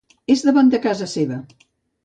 És davant de casa seva.